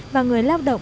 và người lao động